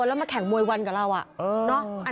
และมาแข่งมวยวัรดิกับเรา